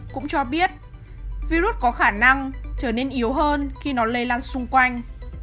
cũng cho biết virus có khả năng trở nên yếu hơn khi nó lây lan xung quanh